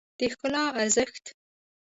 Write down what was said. د ښکلا ارزښت